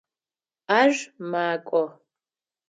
Ар макӏо.